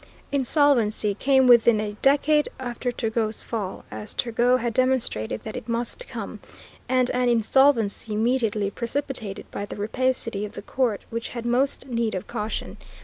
Insolvency came within a decade after Turgot's fall, as Turgot had demonstrated that it must come, and an insolvency immediately precipitated by the rapacity of the court which had most need of caution.